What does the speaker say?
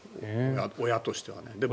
親としてはね。